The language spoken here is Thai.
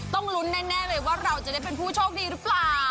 ต้องลุ้นแน่เลยว่าเราจะได้เป็นผู้โชคดีหรือเปล่า